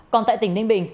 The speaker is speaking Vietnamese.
còn tại tỉnh ninh bình